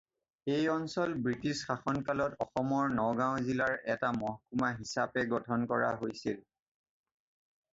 এই অঞ্চল ব্ৰিটিছ শাসনকালত অসমৰ নগাঁও জিলাৰ এটা মহকুমা হিচাপে গঠন কৰা হৈছিল।